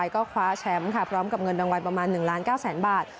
ก็คว้าแชมป์ค่ะพร้อมกับเงินรางวัลประมาณ๑ล้าน๙แสนบาท